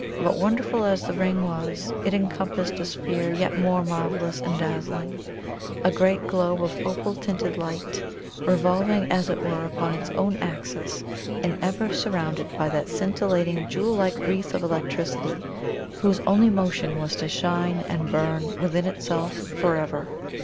But wonderful as the Ring was, it encompassed a Sphere yet more marvellous and dazzling; a great Globe of opal tinted light, revolving as it were upon its own axis, and ever surrounded by that scintillating, jewel like wreath of electricity, whose only motion was to shine and burn within itself for ever.